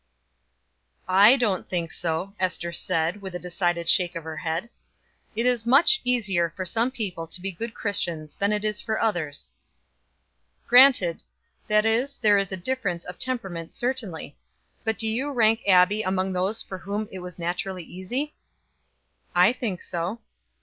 "I don't think so," Ester said, with a decided shake of the head. "It is much easier for some people to be good Christians than it is for others." "Granted that is, there is a difference of temperament certainly. But do you rank Abbie among those for whom it was naturally easy?" "I think so."